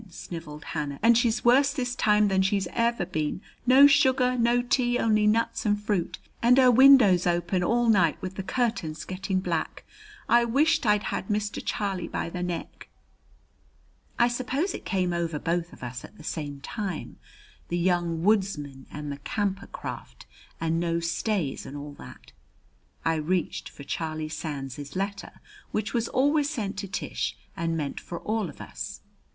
sniveled Hannah; "and she's worse this time than she's ever been. No sugar, no tea, only nuts and fruit, and her windows open all night, with the curtains getting black. I wisht I had Mr. Charlie by the neck." I suppose it came over both of us at the same time the "Young Woodsman," and the "Camper Craft," and no stays, and all that. I reached for Charlie Sands's letter, which was always sent to Tish and meant for all of us.